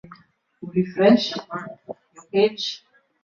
kijana huyo alimpa roberta koti lake la maisha